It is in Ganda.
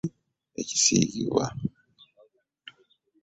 Bano bagasseeko nti, “Twagala okulungamya ku kifaananyi ekisiigibwa